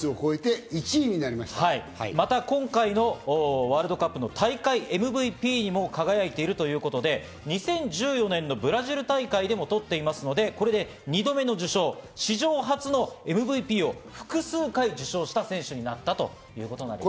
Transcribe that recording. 今回のワールドカップの大会ＭＶＰにも輝いているということで、２０１４年のブラジル大会でも取っていますのでこれで２度目の受賞、史上初のＭＶＰを複数回受賞した選手になったということなんです。